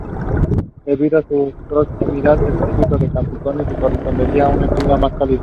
Debido a su proximidad al Trópico de Capricornio le correspondería un clima más cálido.